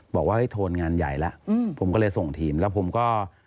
บอกว่าเฮ้ยโทนงานใหญ่แล้วผมก็เลยส่งทีมแล้วผมก็